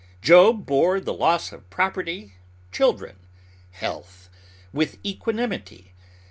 Job bore the loss of property, children, health, with equanimity.